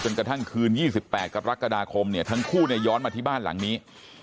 กระทั่งคืน๒๘กรกฎาคมเนี่ยทั้งคู่ย้อนมาที่บ้านหลังนี้